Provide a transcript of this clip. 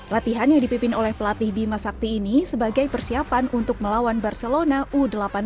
latihan yang dipimpin oleh pelatih bima sakti ini sebagai persiapan untuk melawan barcelona u delapan belas